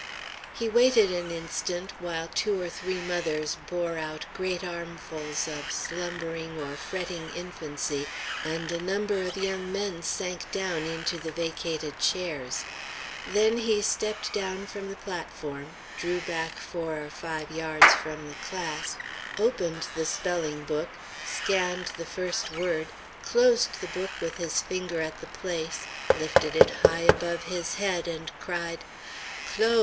He waited an instant while two or three mothers bore out great armfuls of slumbering or fretting infancy and a number of young men sank down into the vacated chairs. Then he stepped down from the platform, drew back four or five yards from the class, opened the spelling book, scanned the first word, closed the book with his finger at the place, lifted it high above his head, and cried: "Claude!